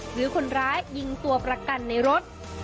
หรือคนร้ายยิงตัวประกันในรถ